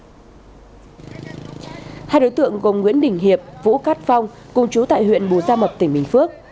hai đối tượng gồm nguyễn đình hiệp vũ cát phong cùng chú tại huyện bù gia mập tỉnh bình phước